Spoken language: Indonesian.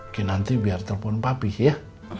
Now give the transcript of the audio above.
oke nanti biar telepon papih ya